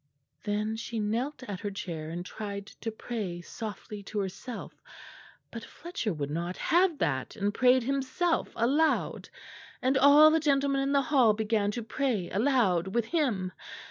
"Then she knelt at her chair and tried to pray softly to herself; but Fletcher would not have that, and prayed himself, aloud, and all the gentlemen in the hall began to pray aloud with him.